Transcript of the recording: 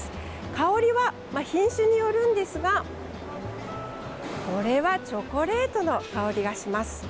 香りは品種によるんですがこれはチョコレートの香りがします。